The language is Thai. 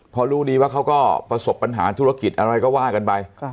พอรู้ดีว่าเขาก็ประสบปัญหาธุรกิจอะไรก็ว่ากันไป